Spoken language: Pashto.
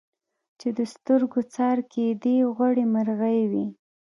چي د سترګو څار کېدی غوړي مرغې وې